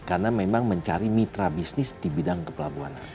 karena memang mencari mitra bisnis di bidang kepelabuhanan